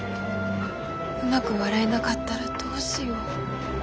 うまく笑えなかったらどうしよう。